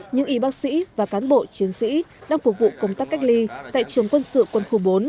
những y bác sĩ và cán bộ chiến sĩ đang phục vụ công tác cách ly tại trường quân sự quân khu bốn